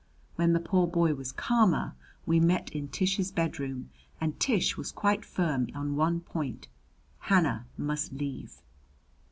When the poor boy was calmer we met in Tish's bedroom and Tish was quite firm on one point Hannah must leave!